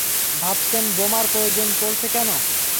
ভাবছেন বোমার প্রয়োজন পড়ছে কেন?